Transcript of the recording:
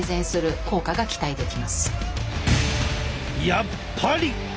やっぱり！